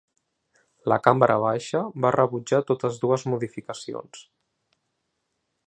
La cambra baixa va rebutjar totes dues modificacions.